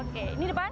oke ini depan